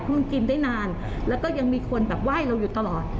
เพราะมันกินได้นานแล้วก็ยังมีคนแบบไหว้เราอยู่ตลอด